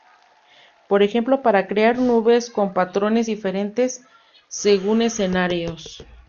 Por ejemplo para crear nubes con patrones diferentes según escenarios.